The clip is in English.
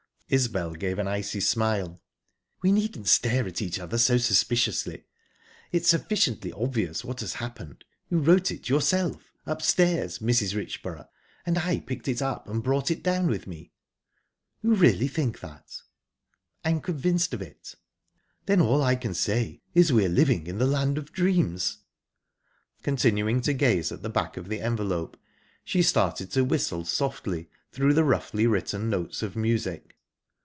Isbel gave an icy smile. "We needn't stare at each other so suspiciously. Its sufficiently obvious what has happened. You wrote it yourself upstairs, Mrs. Richborough, and I picked it up and brought it down with me." "You really think that?" "I'm convinced of it." "Then all I can say is we're living in the land of dreams!"... Continuing to gaze at the back of the envelope, she started to whistle softly through the roughly written notes of music.